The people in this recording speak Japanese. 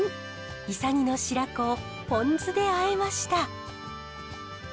イサギの白子をポン酢であえました。